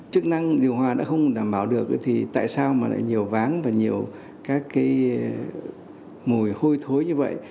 chức năng điều hòa đã không đảm bảo được thì tại sao mà lại nhiều váng và nhiều các cái mùi hôi thối như vậy